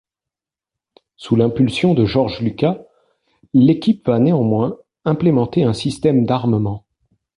Sous l’impulsion de George Lucas, l’équipe va néanmoins implémenter un système d’armement.